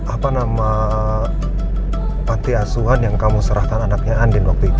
apa nama panti asuhan yang kamu serahkan anaknya andin waktu itu